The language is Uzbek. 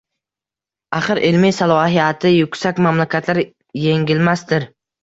Axir, ilmiy salohiyati yuksak mamlakatlar engilmasdir